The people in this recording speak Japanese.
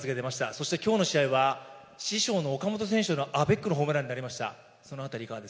そしてきょうの試合は、師匠の岡本選手のアベックのホームランになりました。